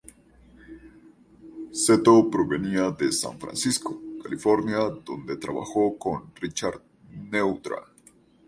Cetto provenía de San Francisco, California, donde trabajó con Richard Neutra.